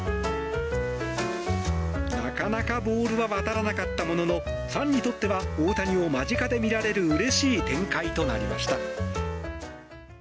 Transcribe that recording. なかなかボールは渡らなかったもののファンにとっては大谷を間近で見られるうれしい展開となりました。